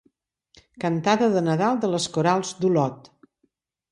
Cantada de Nadal de les Corals d'Olot.